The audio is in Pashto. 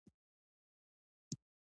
زه هڅه کوم، چي پرمختګ وکړم.